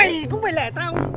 mày cũng phải lẻ tao